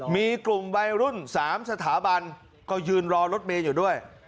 มีกลุ่มวัยรุ่น๓สถาบันก็ยืนรอรถเมย์อยู่ด้วย